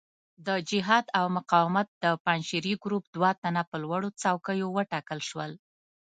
د جهاد او مقاومت د پنجشیري ګروپ دوه تنه په لوړو څوکیو وټاکل شول.